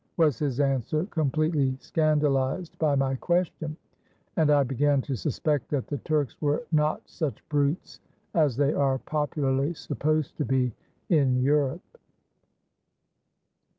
was his answer, completely scandalized by my question, and I began to suspect that the Turks were not such brutes as they are popularly supposed to be in Europe."